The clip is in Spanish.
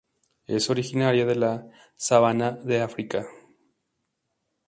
Es originaria de las sabanas de África.